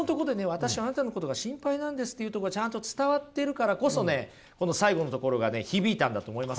私あなたのことが心配なんですっていうとこがちゃんと伝わっているからこそねこの最後のところがね響いたんだと思いますよ。